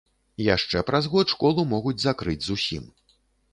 Яшчэ праз год школу могуць закрыць зусім.